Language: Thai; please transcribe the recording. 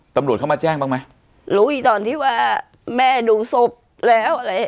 ตำรวจเข้ามาแจ้งบ้างไหมรู้อีกตอนที่ว่าแม่ดูศพแล้วอะไร